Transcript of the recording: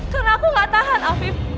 karena aku nggak tahan afif